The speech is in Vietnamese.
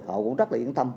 họ cũng rất là yên tâm